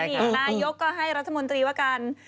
น่ายกก็ให้รัฐมนตรีวะกัน